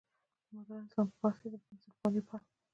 د مډرن اسلام په بحث کې د بنسټپالنې پل.